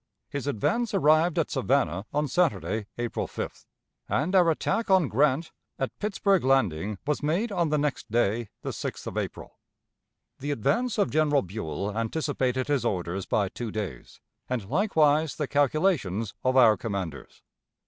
His advance arrived at Savannah on Saturday, April 5th, and our attack on Grant at Pittsburg Landing was made on the next day, the 6th of April. The advance of General Buell anticipated his orders by two days, and likewise the calculations of our commanders.